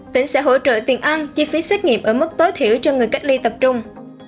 tỉnh sẽ hỗ trợ tiền ăn chi phí xét nghiệm ở mức tối thiểu cho người cách ly tập trung